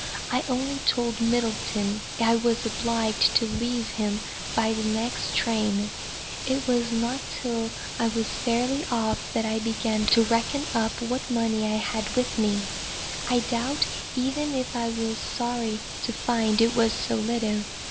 I only told Middleton I was obliged to leave him by the next train. It was not till I was fairly off, that I began to reckon up what money I had with me. I doubt even if I was sorry to find it was so little.